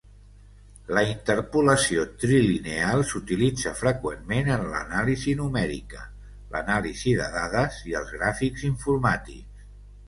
La interpolació trilineal s'utilitza freqüentment en l'anàlisi numèrica, l'anàlisi de dades i els gràfics informàtics.